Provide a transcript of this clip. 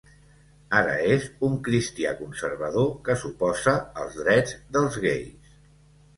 Ara és un cristià conservador que s'oposa als drets dels gais.